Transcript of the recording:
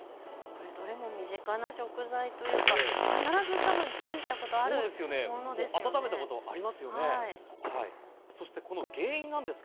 どれも身近な食材というか必ずたぶんチンしたことあるものですよね。